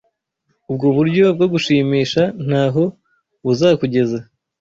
Ubwo buryo bwo gushimisha ntaho buzakugeza.